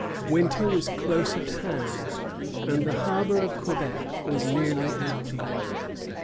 Winter was close at hand, and the harbor of Quebec was nearly empty.